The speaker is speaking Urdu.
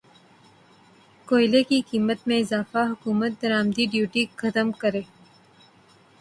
کوئلے کی قیمت میں اضافہ حکومت درمدی ڈیوٹی ختم کرے